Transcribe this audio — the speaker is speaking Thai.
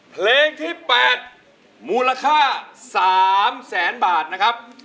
เพลงที่๘มูลค่า๓แสนบาทนะครับ